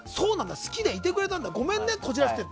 好きでいてくれたんだごめんね、こじらせてと。